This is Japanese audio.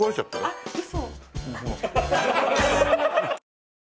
あっウソ！？